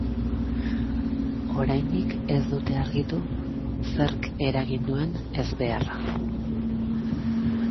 Oraindik ez dute argitu zerk eragin duen ezbeharra.